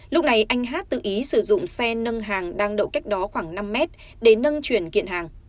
lúc này anh hát tự ý sử dụng xe nâng hàng đang đậu cách đó khoảng năm mét để nâng chuyển kiện hàng